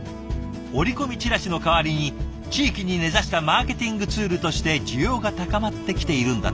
折り込みチラシの代わりに地域に根ざしたマーケティングツールとして需要が高まってきているんだとか。